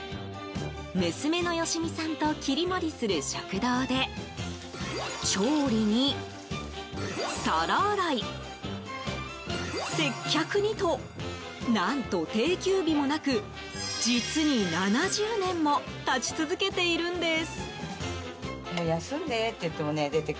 娘の良美さんと切り盛りする食堂で調理に皿洗い、接客にと何と、定休日もなく実に７０年も立ち続けているんです。